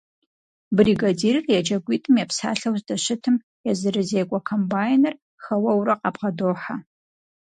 Бригадирыр еджакӀуитӀым епсалъэу здэщытым езырызекӀуэ комбайныр хэуэурэ къабгъэдохьэ.